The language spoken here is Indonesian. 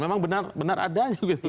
memang benar benar ada